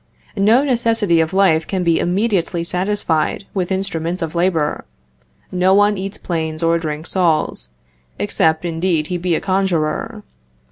No necessity of life can be immediately satisfied with instruments of labor; no one eats planes or drinks saws, except, indeed, he be a conjurer.